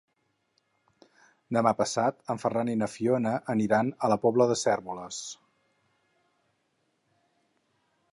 Demà passat en Ferran i na Fiona aniran a la Pobla de Cérvoles.